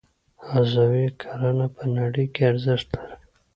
عضوي کرنه په نړۍ کې ارزښت لري